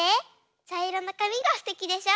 ちゃいろのかみがすてきでしょ？